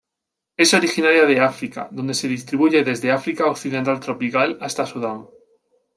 Es originaria de África donde se distribuye desde África occidental tropical hasta Sudán.